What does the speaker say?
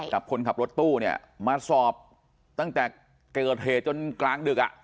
กับคนขับรถตู้เนี่ยมาสอบตั้งแต่เกิดเหตุจนกลางดึกอ่ะ